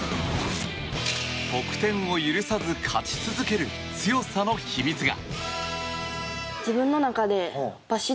得点を許さず勝ち続ける強さの秘密が。